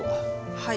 はい。